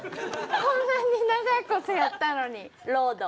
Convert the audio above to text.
こんなに長いことやったのにロード。